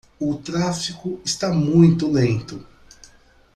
O tráfico está muito lento.